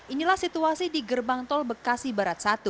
inilah situasi di gerbang tol bekasi barat satu